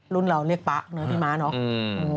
รุ่นเราเรียกป๊าพี่ม้าเนอะ